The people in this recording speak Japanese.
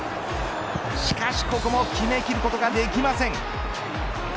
しかしここも決めきることができません。